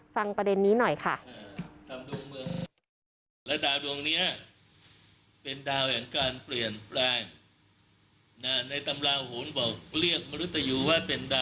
ประเด็นนี้หน่อยค่ะ